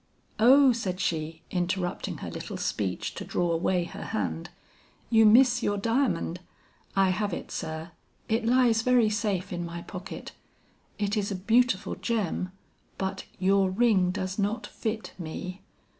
"'O,' said she, interrupting her little speech to draw away her hand, 'you miss your diamond? I have it, sir. It lies very safe in my pocket; it is a beautiful gem, but your ring does not fit me.'